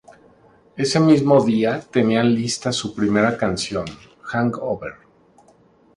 Ese mismo día tenían lista su primera canción: Hang Over.